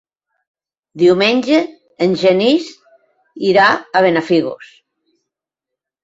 Diumenge en Genís irà a Benafigos.